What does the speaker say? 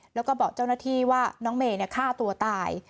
แล้วก็บอกเจ้าหน้าที่ว่าน้องเมย์ฆ่าตัวตาย